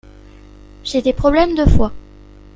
J’ai des problèmes de foie.